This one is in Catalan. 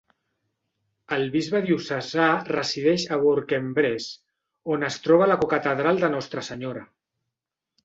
El bisbe diocesà resideix a Bourg-en-Bresse, on es troba la cocatedral de Nostra Senyora.